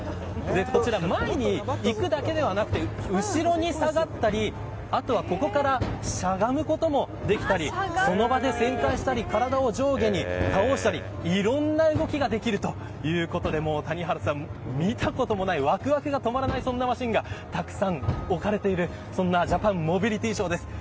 前に行くだけではなくて後ろに下がったりあとはここからしゃがむこともできたり体を上下に倒したりいろいろな動きができるということで谷原さん、見たこともないわくわくが止まりませんがたくさん置かれている、そんなジャパンモビリティショーです。